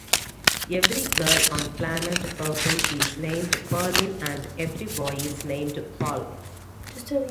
Every girl on Planet Purple is named "Pauline" and every boy is named "Paul.